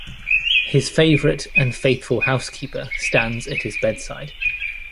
His favourite and faithful housekeeper stands at his bedside.